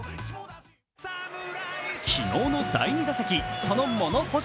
昨日の第２打席、その物干し